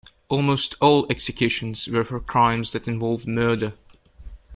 Almost all executions were for crimes that involved murder.